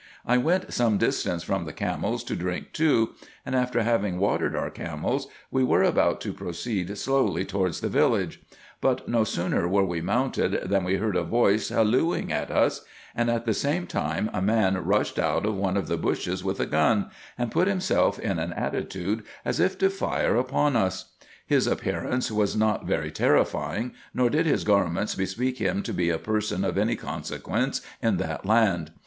I went some distance from the camels to drink too ; and after having watered our camels, we were about to proceed slowly towards the village ; but no sooner were we mounted than we heard a voice IN EGYPT, NUBIA, &e. 403 hallooing at us, and at the same time a man rushed out of one of the bushes with a gun, and put himself in an attitude as if to fire upon us. His appearance was not very terrifying, nor did his garments bespeak him to be a person of any consequence in that land.